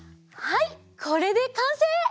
はいこれでかんせい！